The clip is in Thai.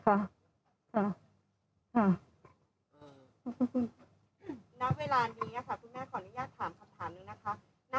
ค่ะขอบคุณค่ะณเวลานี้นะคะคุณแม่ขออนุญาตถามคำถามหนึ่งนะคะ